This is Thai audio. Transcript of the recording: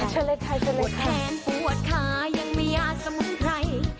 ชัลเล็กค่ะชัลเล็กค่ะ